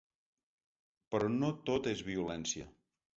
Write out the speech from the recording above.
Però no tot és violència.